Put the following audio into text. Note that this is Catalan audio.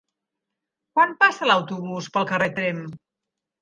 Quan passa l'autobús pel carrer Tremp?